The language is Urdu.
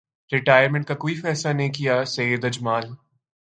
ریٹائر منٹ کا کوئی فیصلہ نہیں کیاسعید اجمل